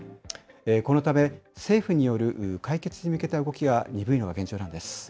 このため、政府による解決に向けた動きが鈍いのが現状なんです。